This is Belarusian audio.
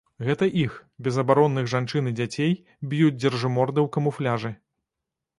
Гэта іх, безабаронных жанчын і дзяцей, б'юць дзяржыморды ў камуфляжы.